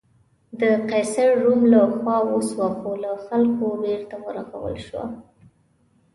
د قیصر روم له خوا وسوه خو له خلکو بېرته ورغول شوه.